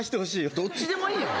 どっちでもいいよ